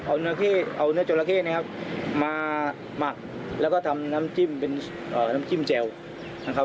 เอาเนื้อเอาเนื้อจราเข้นะครับมาหมักแล้วก็ทำน้ำจิ้มเป็นน้ำจิ้มแจ่วนะครับ